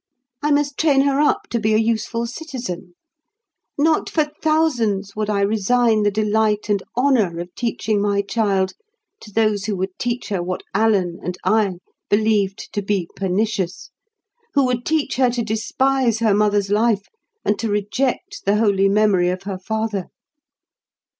I must train her up to be a useful citizen. Not for thousands would I resign the delight and honour of teaching my child to those who would teach her what Alan and I believed to be pernicious; who would teach her to despise her mother's life, and to reject the holy memory of her father.